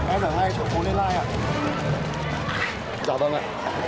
em ở ngay chỗ phố liên lai ạ